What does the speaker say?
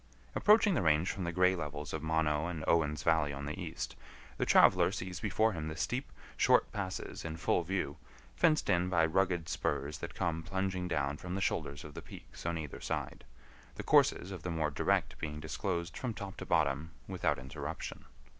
Approaching the range from the gray levels of Mono and Owen's Valley on the east, the traveler sees before him the steep, short passes in full view, fenced in by rugged spurs that come plunging down from the shoulders of the peaks on either side, the courses of the more direct being disclosed from top to bottom without interruption.